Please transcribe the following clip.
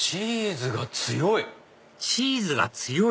チーズが強い！